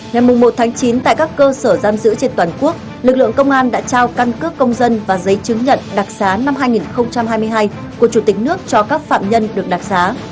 ngày một chín tại các cơ sở giam giữ trên toàn quốc lực lượng công an đã trao căn cước công dân và giấy chứng nhận đặc xá năm hai nghìn hai mươi hai của chủ tịch nước cho các phạm nhân được đặc xá